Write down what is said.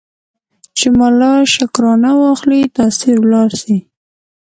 چي ملا شکرانه واخلي تأثیر ولاړ سي